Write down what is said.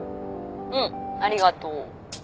うんありがとう。